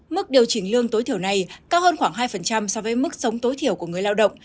mức điều chỉnh lương tối thiểu này cao hơn khoảng hai so với mức sống tối thiểu của người lao động